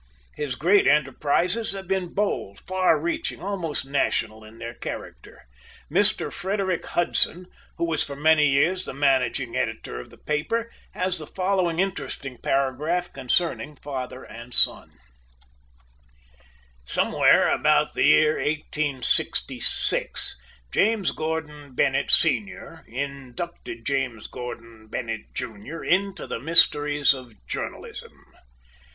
His great enterprises have been bold, far reaching, almost national in their character. Mr. Frederick Hudson, who was for many years the managing editor of the paper, has the following interesting paragraph concerning father and son: "Somewhere about the year 1866, James Gordon Bennett, Sr., inducted James Gordon Bennett, Jr., into the mysteries of journalism.